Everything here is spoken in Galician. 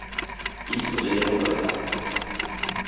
Isto sería fundamental.